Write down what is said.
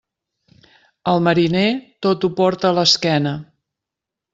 El mariner, tot ho porta a l'esquena.